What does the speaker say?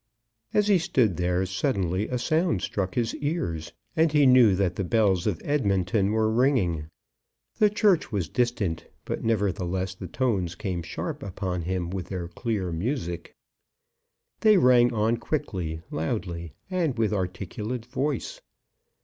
As he stood there, suddenly a sound struck his ears, and he knew that the bells of Edmonton were ringing. The church was distant, but nevertheless the tones came sharp upon him with their clear music. They rang on quickly, loudly, and with articulate voice.